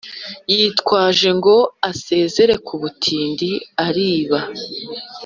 yitwaje ngo asezere ku butindi ariba